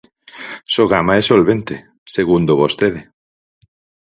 Sogama é solvente, segundo vostede.